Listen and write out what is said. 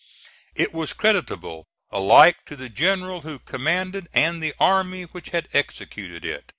It was creditable alike to the general who commanded and the army which had executed it.